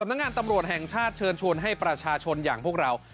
นักงานตำรวจแห่งชาติเชิญชวนให้ประชาชนอย่างพวกเรา